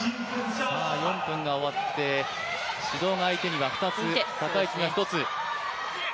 ４分が終わって、指導が相手には２つ、高市は１つ。